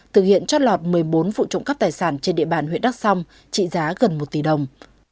đối tượng trót lọt một mươi bốn vụ trộm cấp tài sản trên địa bàn huyện đắc sông trị giá gần một tỷ đồng